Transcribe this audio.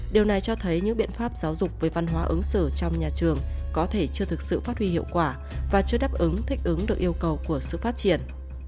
điều này cho thấy những biện pháp giáo dục về văn hóa ứng xử trong nhà trường có thể chưa thực sự phát huy hiệu quả và chưa đáp ứng thích ứng được yêu cầu của sự phát triển